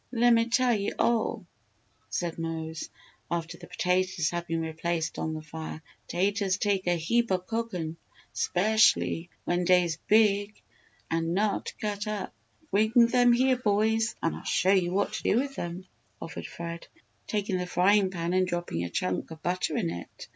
"Lemme tell you all," said Mose, after the potatoes had been replaced on the fire, "taters take a heap o' cookin'. Speshully when dey'se big and not cut up." "Bring them here, boys, and I'll show you what to do with them," offered Fred, taking the frying pan and dropping a chunk of butter in it.